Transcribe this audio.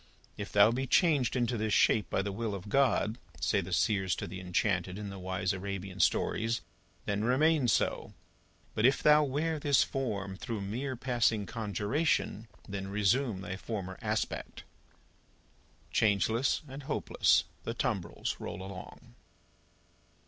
"If thou be changed into this shape by the will of God," say the seers to the enchanted, in the wise Arabian stories, "then remain so! But, if thou wear this form through mere passing conjuration, then resume thy former aspect!" Changeless and hopeless, the tumbrils roll along.